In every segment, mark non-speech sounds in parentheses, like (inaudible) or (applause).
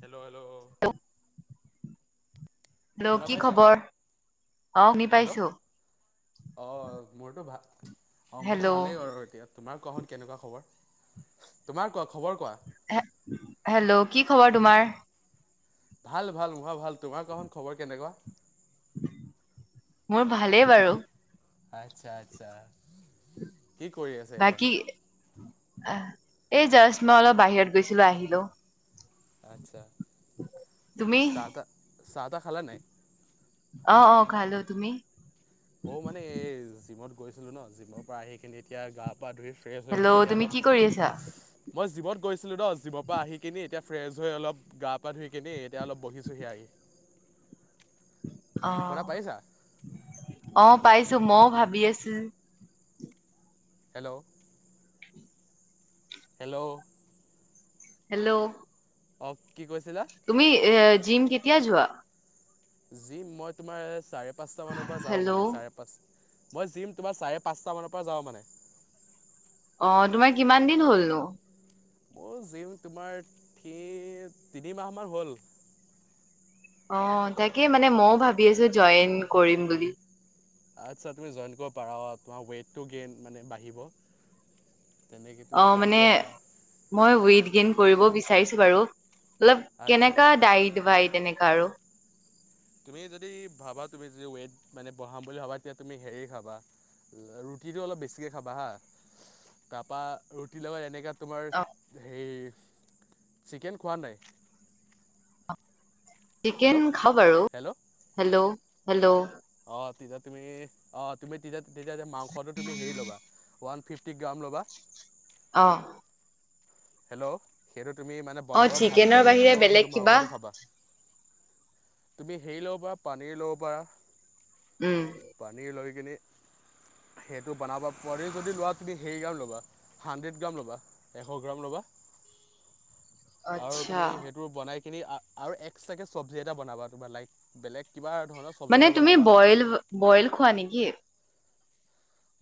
Hello hello hello শুনা কি পাইছা খবৰ অঁ শুনি পাইছো অ' মোৰতো ভাল অ' মোৰতো হেল্ল' ভালেই আৰু এতিয়া তোমাৰ কোৱা চোন কেনেকুৱা খবৰ তোমাৰ কোৱা খবৰ কোৱা হেল্ল' কি খবৰ তোমাৰ ভাল ভাল মোৰ ভাগৰ ভাল তোমাৰ কোৱাচোন খবৰ কেনেকুৱা মোৰ ভালেই বাৰু আচ্ছা আচ্ছা কি কৰি আছে এতিয়া বাকী এই জাষ্ট মই অলপ বাহিৰত গৈছিলো আহিলো আচ্ছা তুমি? চাহ টাহ খালা নাই অঁ অঁ খালো তুমি ময়ো মানে এই জিমত গৈছিলো ন জিমৰ পৰা আহি খিনি এতিয়া গা ধুই ফ্ৰেছ হৈ কিনে হেল্ল' এতিয়া তুমি অলপ কি কৰি আছা? মই জীমট গৈছিলো ন জীমৰ পৰা আহি কিনি এতিয়া ফ্ৰেছ হৈ অলপ গা-পা ধুই কিনি এতিয়া অলপ বহিছোহি আহি। শুনা পাইছা (inaudible) অ-অ পাইছো মইও ভাবি আছো। হেল্ল' হেল্ল' হেল্ল' অফ তুমি জিম কেতিয়া যোৱা? জিম মই তোমাৰ চাৰে পাঁচটা মানৰ পৰা যাও হেল্ল' মানে চাৰে পাঁচ, মই জিম তোমাৰ চাৰে পাঁচটা মানৰ পৰা যাওঁ মানে। অ তোমাৰ কিমান দিন হলনো? মই জিম তোমাৰ থ্ৰি তিনি মাহ মান হ'ল। অ' তাকে মানে মইও ভাবি আছো জইন কৰিম বুলি। আচ্ছা, তুমি জইন কৰিব পাৰা তোমাৰ ৱেইটটো গেইন মানে বাঢ়িব। তেনেকৈ তুমি অ' জইন মানে কৰিব পাৰা মই ৱেইট গেইন কৰিব বিচাৰিছো বাৰু। অলপ আচ্ছা কেনেকা ডাইট বাই তেনেকা আৰু তুমি যদি ভাবা তুমি যদি ৱেইট মানে বঢ়াম বুলি ভাবা তেতিয়া তুমি হেৰি খাবা ৰুটিটো অলপ বেছিকে খাবা হা তাৰপা ৰুটি লগত এনেকে তোমাৰ অ হে চিকেন খোৱা নাই? চিকেন হেল্ল' খাও বাৰু হেল্ল' হেল্ল'-হেল্ল', অ' তেতিয়া তুমি অ তুমি তেতিয়া তেতিয়া মাংসটো তুমি হেৰি ল'বা, ওৱান ফিফটি গ্ৰাম ল'বা। অহ হেল্ল' সেইটো তুমি মানে অ বনাবা চিকেনৰ ভালকে আৰু বাহিৰে ৰুটিৰ লগত বেলেগ সেইটো কিবা মাংসটো খাবা। তুমি হেৰি ল'ব পাৰা পানীৰ ল'ব পাৰা উম। পানী লৈ কিনি (inaudible) সেইটো বনাবা পোলি যদি লোৱা তুমি হেই গ্ৰাম ল'বা হানড্ৰেট গ্ৰাম ল'বা এশ। গ্ৰাম লবা আৰু তুমি আচ্ছা সেইটো বনাই সেইখিনি আ আৰু এক্সট্ৰাকে চবজি এটা বনাবা তোমাৰ লাইক বেলেগ কিবা ধৰণৰ চব্জি মানে এটা তুমি বনাবা আৰু বইল বইল খোৱা নেকি?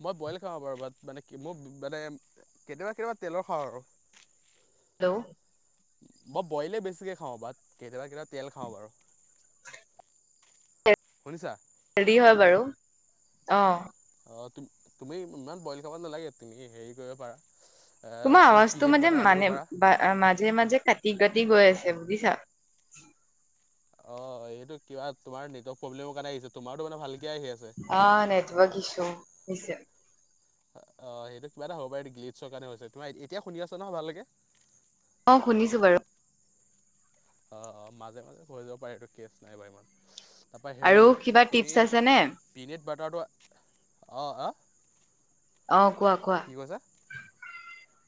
মই বইল খাওঁ বাৰু মানে কি মোৰ মানে কেতিয়াবা-কেতিয়াবা তেলৰ খাওঁ আৰু। হেল্ল'? মই বইলে বেছিকে খাওঁ বা কেতিয়াবা-কেতিয়াবা তেল খাওঁ বাৰু। শুনিছা? হেলডি হয় বাৰু অ। অ' তুম তুমি ইমান বইল খাব নালাগে, তুমি হেৰি কৰিব পাৰা। তোমাৰ তুমি আৱাজটো পিনেট মাজে বাটাৰ আনিব মানে পাৰা বা মাজে-মাজে কাটি-কাটি গৈ আছে। এম বি চা অ' এইটো কিবা তোমাৰ নেটৱৰ্ক প্ৰব্লেমৰ কাৰণে আহিছে তোমাৰো মানে ভাল অ নেটৱৰ্ক ইচু নিশ্চয়। অ' সেইটো কিবা এটা হ'বা পাৰে গ্লিছৰ কাৰণে হৈছে, তোমাৰ এতিয়া শুনি আছা নহয় ভালকে। অ' শুনিছো বাৰু। অ অ মাজে মাজে হৈ যাব পাৰে এইটো কেচ নাই বাৰু ইমান। তাৰপৰা হেৰি আৰু কিবা তুমি টিপছ আছে নে? পিনেট বাটাৰটো অ অ? অ কোৱা কোৱা?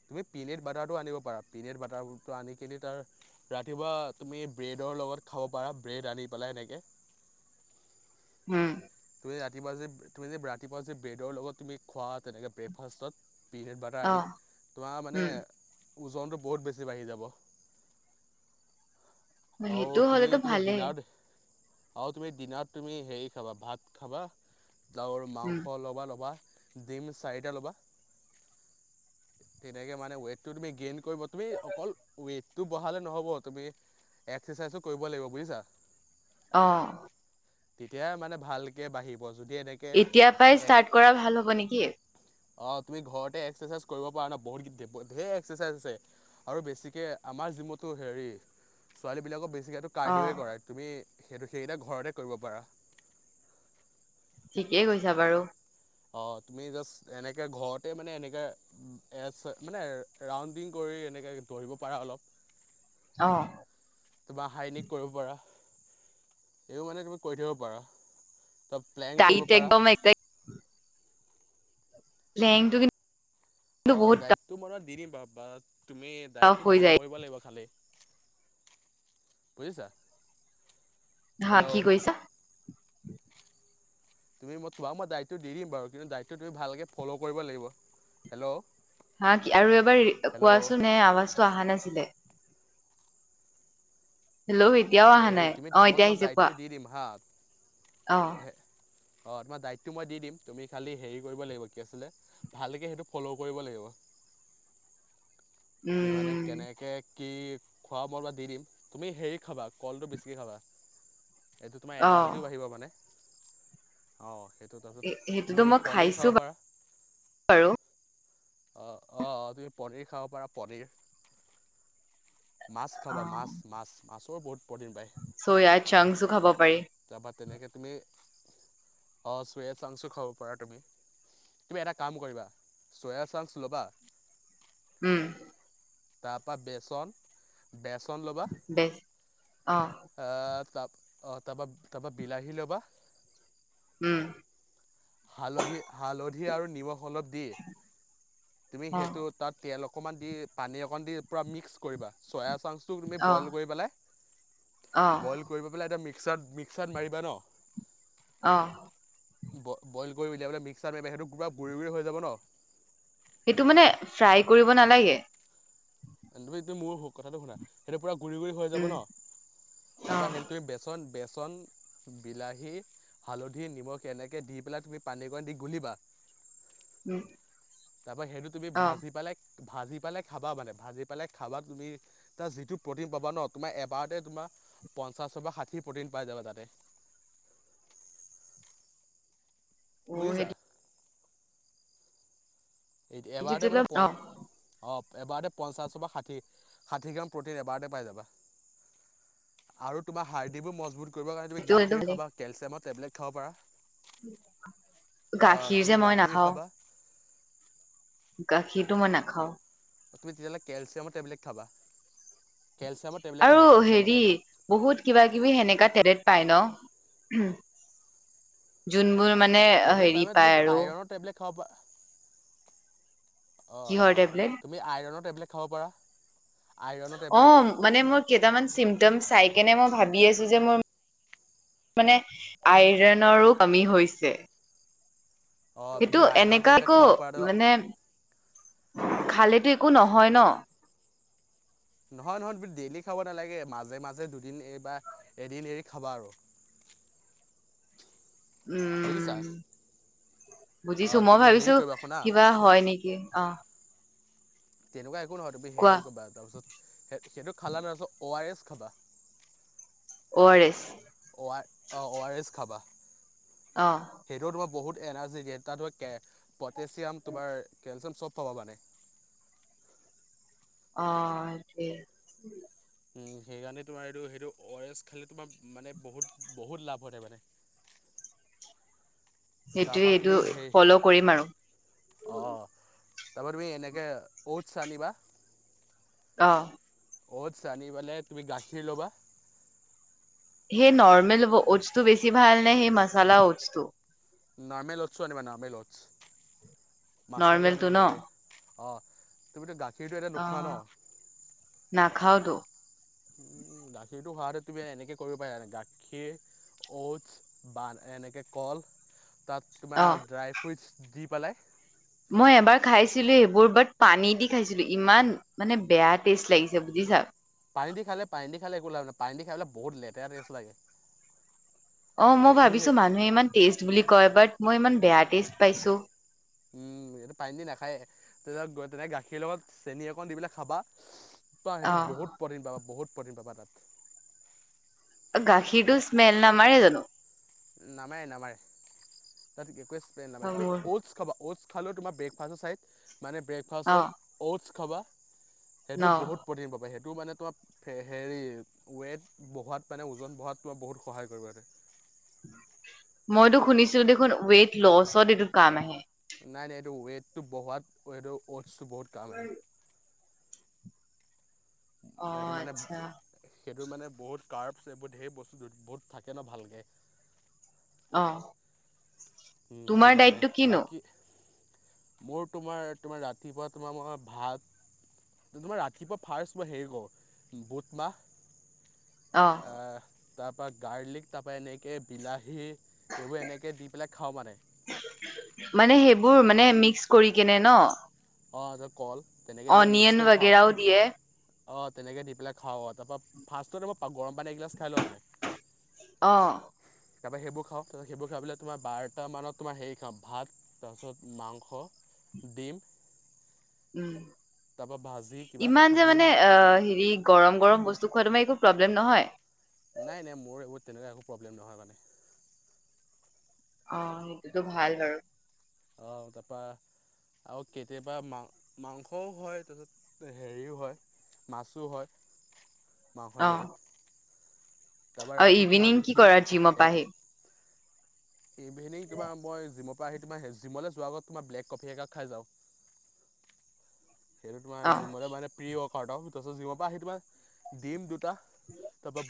তুমি পিনেট বাটাৰটো আনিব পাৰা, পিনেট বাটাৰটো আনি কিনে তাৰ ৰাতিপুৱা তুমি ব্ৰেডত লগত খাব পাৰা ব্ৰেড আনি পেলাই এনেকে। উম। তুমি ৰাতিপুৱা যে তুমি যে ৰাতিপুৱা যে ব্ৰেডৰ লগত তুমি খোৱা তেনেকে ব্ৰেকফাষ্টত। পিনেট বাটাৰ অ আদি, তোমাৰ মানে উম। ওজনটো বহুত বেছি বাঢ়ি যাব। মানে আৰু সেইটোও তুমি হলেতো তুমি ভালেই। ডিনাৰত আৰু তুমি দিনাৰত তুমি হেৰি খাবা ভাত খাবা দাউৰ উম, মাংস ল'বা ল'বা। ডিম চাৰিটা লবা, তেনেকে মানে ৱেটটো তুমি গেইন কৰিব তুমি অকল ৱেটটো বঢ়ালে নহব তুমি এক্সাৰচাইজো কৰিব লাগিব বুজিছা। অহ। তেতিয়াই মানে ভালকে বাঢ়িব। যদি এনেকে এতিয়া পৰাই ষ্টাৰ্ট কৰা ভাল হব নেকি? অ তুমি ঘৰতে এক্সাৰচাইজ কৰিব পাৰা ন বহুত ঢেৰ এক্সাৰচাইজ আছে আৰু বেছিকে আমাৰ জিমতো হেৰি ছোৱালীবিলাকক বেছিকেতো কাৰ্ডিঅ অ', কৰাই তুমি সেইটো সেইকেইটা ঘৰতে কৰিব পাৰা। ঠিকেই কৈছা বাৰু। অ তুমি জাষ্ট এনেকে ঘৰতে মানে এনেকা এচ মানে ৰাউণ্ডিং কৰি এনেকে দৌৰিব পাৰা অলপ। অহ। তোমাৰ হাইনিক কৰিব পাৰা, এনেও মানে তুমি কৰি থব পাৰা। ত প্লেন কৰিব কালিত পাৰা একদম এক লেংটো কি অ ডাইটটো মই দি দিম বাৰ বা তুমি টাফ ডাইটটো হৈ ফ'ল' যায়। কৰিব লাগিব খালি। বুজিছা। হা কি হেল্ল' কৈছা? তুমি মই তোমাক মই ডাইটটো দি দিম বাৰু কিন্তু ডাইটটো তুমি ভালকে ফল' কৰিব লাগিব। হেল্ল'? হা কি আৰু এবাৰ হেল্ল' কোৱাচোন এ আৱাজটো আহা নাছিলে। হেল্ল' এতিয়াও আহা এই নাই, তুমি অ মই এতিয়া তোমাক আহিছে কোৱা? দায়িত্ব দি দিম হা অহ। অ তোমাৰ ডাইটটো মই দি দিম তুমি খালি হেৰি কৰিব লাগিব কি আছিলে ভালকে সেইটো ফ'ল' কৰিব লাগিব। (unintelligible) তুমি মানে উম, কেনেকে। কি খোৱা মই বা দি দিম তুমি হেৰি খাবা কলটো বেছিকে খাবা। এইটো তোমাৰ অ', এনাৰ্জিও বাঢ়িব মানে অঁহ। সেইটো এ- তাৰপিছত সেইটোতো তুমি মই পনিৰ খাইছো খাব পাৰা। বাৰু অহ অহ তুমি পনিৰ খাব পাৰা পনিৰ। মাছ খাবা মাছ অ'। মাছ মাছৰ বহুত। প্ৰটিন পাই চয়া চাংচো খাব পাৰি তাৰপৰা তেনেকে তুমি। অ চ চংছো খাব পাৰা তুমি তুমি এটা কাম কৰিবা চ। চয়াসাংচ ল'বা। উম। তাৰ পৰা বেচন বেচন ল'বা বেছ অ', এহ। ত অ তাৰপা তাৰপৰা বিলাহী ল'বা। উম। হালধি হালধি আৰু নিমখ অলপ দি তুমি অ', সেইটো তাত তিয়াই। অকণমান দি পানী অকণ দি মিক্স কৰিবা অ', চয়া। অ'। বয়ল কৰি পেলাই মিক্স। মিক্স মিক্সাৰাত মাৰিবা ন। অহ। বইল কৰি উলিয়াইাবেললে মিক্সাৰ মাৰ সেইটো পুৰা গুৰি গুৰি হৈ যাব ন। সেইটো মানে ফ্ৰাই কৰিব নালাগে। তুমিটো মোৰ কথাটো শুনা সেইটো পুৰা গুৰি, গুৰি হৈ যাব উম ন' অ তাৰপৰা হেৰি কৰি বেচন বেচন, বিলাহী, হালধি, নিমখ এনেকে দি পেলাই তুমি পানীকণ দি গুলিবা উম'। তাৰ পৰা সেইটো তুমি অ ভাজি পেলে ভাজি পালে খাবা মানে ভাজি পালে খাবা, তুমি তাৰ যিটো প্ৰ'টিন পাবা ন' তোমাৰ এবাৰতে তোমাৰ পঞ্চাশৰ বা ষাঠি প্ৰ'টিন পাই যাবা তাতে (inaudible) অ বুজিছা সেইটো এই এবাৰতে তেতিয়াহলে মানে প' অ অ এবাৰতে পঞ্চাছ বা ষাঠি, ষাঠি গ্ৰাম প্ৰ'টিন এবাৰতে পাই যাবা। আৰু তোমাৰ হাৰ্ডিবোৰ মজবুত কৰিব কাৰণে তুমি সেইটো সেইটো গাখীৰ ভালেই খাবা, কেলচিয়ামৰ টেবলেট খাব পাৰা। গাখীৰ তুমি যে মই গাখীৰ নাখাও। খাবা গাখীৰটো মই নাখাও। তুমি তেতিয়াহ'লে কেলচিয়ামৰ টেবলেট খাবা। কেলচিয়ামৰ টেবলেট আৰু খাবা কেলচিয়ামৰ হেৰি টেবলেট বহুত কিবা কিবি সেনেকা তেলে পাই ন যোনবোৰ মানে টেবলেট হেৰি মানে তুমি পাই আৰু আইৰণৰ টেবলেট খাব পাৰা, অ', কিহৰ -অ' টেবলেট তুমি আইৰণত টেবলেট খাব পাৰা। আইৰণৰ টেবলেট অ' মানে মোৰ কেইটামান চিমটমছ চাই কেনে মই ভাবি আছো যে মোৰ মানে আইৰণৰো কমি হৈছে। অঁ সেইটো তুমি আইৰণৰ টেবলেট এনেকাকো খাব পাৰা ধৰ মানে খালে তো একো নহয় ন' নহয়, নহয় ডেইলি খাব নালাগে, মাজে মাজে দুদিন এই বা এদিন এৰি খাবা আৰু (inaudible) বুজিছা। উম বুজিছো, অঁ মই তুমি হেৰি ভাবিছো কৰিবা শুনা কিবা হয় নেকি অ' তেনেকুৱা একো নহয়, তুমি কোৱা হেৰি কৰিবা তাৰ পিছত সেইটো খালা ন' অ' তাৰ পিছত ওৱাৰেছ খাবা। ওৱাৰেছ অ' ওৱাৰেছ খাবা অ সেইটো তোমাৰ বহুত এনাৰ্জি দিয়ে, তাত তোমাৰ পটেছিয়াম তোমাৰ কেলচিয়াম চব পাবা মানে অ' সেইটোৱে উ' সেইকাৰণে তোমাৰ এইটো, সেইটো ওৱাৰেছ খালে তোমাৰ মানে বহুত, বহুত লাভ মানে (unintelligible) সেইটোৱে তাৰপা এইটো তুমি সেই ফল' কৰিম আৰু তাপা তুমি এনেকে ঔতচ আনিবা অ' ঔতচ আনিবলে তুমি গাখীৰ ল'বা সেই নৰ্মেল ঔতচটো বেছি ভাল নে, সেই মাচালা ঔতচটো? নৰ্মেল ঔতচতো আনিবা নৰ্মেল ঔতচত, মাছলাটো আনিব নৰ্মেলটো ন নালাগে। অ' তুমিটো গা অ' নাখাও ত উম' গাখীৰটো খোৱা হেতেন তুমি এনেকে কৰিব পাৰা গাখীৰ, ঔতছ বা এনেকে কল তাত অ তোমাৰ ড্ৰাই ফ্ৰুইটছ দি পেলাই মই এবাৰ খাইছিলো সেইবোৰ বাট পানী দি খাইছিলো ইমান মানে বেয়া টেষ্ট লাগিছে বুজিছা পানী দি খালে, পানী দি খালে একো লাভ নাই, পানী দি খালে বহুত লেতেৰা টেষ্ট লাগে। অঁ মই তুমি ভাবিছো সেই মানুহে ইমান টেষ্ট বুলি কয় বাট মই ইমান বেয়া টেষ্ট পাইছো উম সেইটো পানী দি নাখায়ে তেনেকে গৈ পেলাই গাখীৰ লগত চেনী অকণ দি পেলাই খাবা বা অ সেইটো বহুত প্ৰটিন পাবা বহুত প্ৰটিন পাবা তাত গাখীৰটো স্মেল নামাৰে জানো নামাৰে নামাৰে তাত একোৱে স্মেল নামাৰে তুমি মোৰ ঔটছ খাবা ঔটছ খালেও তোমাৰ ব্ৰেকফাষ্ট আছে মানে অ ব্ৰেকফাষ্টত ঔ'টছ খাবা ন সেইটো বহুত প্ৰটিন পাবা সেইটো মানে তোমাৰ হেৰি ৱেট বঢ়োৱাত মানে ওজন বঢ়োৱাত তোমাৰ মানে বহুত সহায় কৰিব সেইটোৱে মইতো শুনিছিলো দেখোন ৱেইট লচত এইটো কাম আহে নাই নাই এইটো ৱেটটো বঢ়োৱাত এইটো ঔটচটো বহুত কাম আহে অঁ মানে আটচ্ছা সেইটো মানে বহুত কাৰ্পচ টাইপত সেই বহুত বস্তু বহুত থাকে ন ভালকে অঁ উম সেই কাৰণে বাকী মোৰ তোমাৰ তোমাৰ ৰাতিপুৱা তোমাৰ মই ভাত তোমাৰ ৰাতিপুৱা ফাৰ্ষ্ট মই হেৰি কৰো বুটমাহ অ' আ তাৰ পৰা গাৰ্লিক তাৰপৰা এনেকে বিলাহী এইবোৰ এনেকে দি পেলাই খাওঁ মানে এইবোৰ মানে মিক্স কৰি কেনে ন অঁ কল তেনেকৈ অনিয়ন বাগেৰাও দিয়ে অ' তেনেকে দি পেলাই খাওঁ অ' তাৰ পৰা ফাৰ্ষ্টত তোমাৰ গৰম পানী এগিলাছ খাই লও মানে অ' তাৰ পৰা সেইবোৰ খাওঁ তাৰপৰা সেইবোৰ খাই পেলাই তোমাৰ বাৰটা মানত তোমাৰ হেৰি খাওঁ ভাত তাৰপিছত মাংস ডিম উম তাৰপৰা ভাজি কিবা ইমান যে ডিম মানে অ' হেৰি গৰম গৰম বস্তু খোৱা তোমাৰ একো প্ৰব্লেম নহয় নাই নাই মোৰ এইবোৰ তেনেকুৱা একো প্ৰব্লেম নহয় মানে অ' সেইটোত ভাল বাৰু অঁ তাপা আৰু কেতিয়াবা মা মাংসও হয় হেৰিও হয় মাছো হয় মাংসৰ জেগাত তাৰপৰা অ' ৰাতি তোমাৰ ইভিনিং কি ৰুটি কৰাৰ জিমৰ পৰা আহি ইভিনিং তোমাৰ মই জিমৰ পৰা পৰা আহি তোমাৰ হে জিমলৈ যোৱাৰ আগত তোমাৰ ব্লেক কফি একাপ খাই যাও সেইটো তোমাৰ অ' জিমলে মানে প্ৰি ৱৰ্ক আৰু ন তাৰ পিছত জিমৰ পৰা আহি তোমাৰ দিম দুটা (unintelligible) দুটা তাৰ পৰা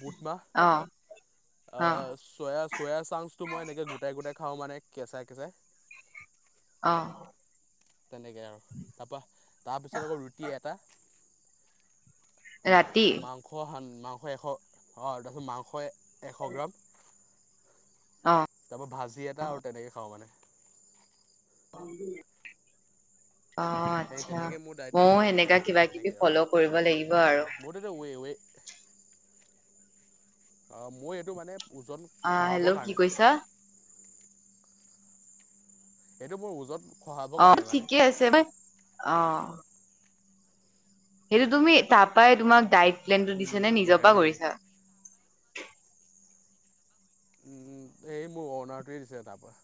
অ' বুটমাহ অ' চয়া চয়া চাংচটো মই এনেকে গোটাই গোটাই খাও মানে (unintelligible) কেঁচা কেচাই অঁ তেনেকে আৰু তাৰপিছত আকৌ ৰুটি এটা মা ৰাতি মাংস মাংস এশ অ' তাৰপিছত মাংস এশ এশ গ্ৰাম অ' তাৰ পৰা ভাজি এটা আৰু তেনেকে খাওঁ মানে অঁ অঁ সেই আটচ্ছা তেনেকৈ মোৰ ডায়েট ময়ো ফ'ল' কৰি সেনেকা থাকোঁ মানে কিবা কিবি তেনেকৈ আৰু ফল' কৰিব লাগিব আৰু অঁ মই এইটো মানে ওজন অঁ খহাবৰ হেল্ল' কি কাৰণে কৈছা (unintelligible) এইটো মোৰ ওজন খহাবৰ অঁ কাৰণে মানে ঠিকে আছে মই অঁ সেইটো তুমি তাৰ পৰাই তোমাক ডাইট প্লেনটো দিছা নে নিজৰ পৰা হেৰি কৰিছা উম এই মোৰ অনাৰটোৱে দিছে তাৰ পৰা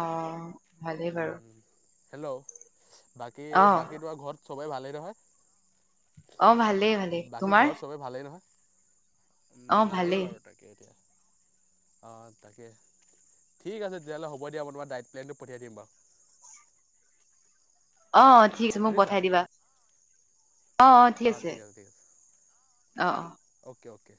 অ ভালেই বাৰু হেল্ল' বাকী অ বাকী তোমাৰ ঘৰত চবেই ভালেই নহয় অ ভালেই ভালেই তোমাৰ উম ভালেই বাৰু তাকে এতিয়া অ তাকে ঠিক আছে তেতিয়াহলে হ'ব দিয়া তোমাৰ ডাইড প্লেনটো পঠিয়াই দিম বাও অ অ ঠিক আছে মোক পঠাই দিবা অ অ ঠিক অঁ আছে ঠিক আছে অ অ অ'কে অ'কে